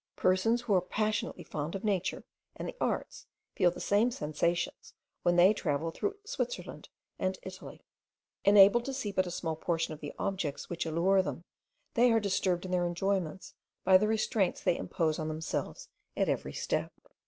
Persons who are passionately fond of nature and the arts feel the same sensations, when they travel through Switzerland and Italy. Enabled to see but a small portion of the objects which allure them, they are disturbed in their enjoyments by the restraints they impose on themselves at every step.